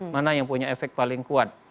mana yang punya efek paling kuat